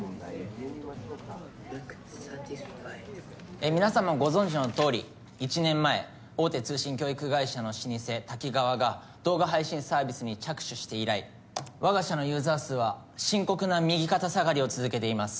えぇ皆さんもご存じのとおり１年前大手通信教育会社の老舗タキガワが動画配信サービスに着手して以来我が社のユーザー数は深刻な右肩下がりを続けています。